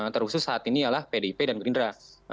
terkhusus saat ini ialah pdp dan gerindra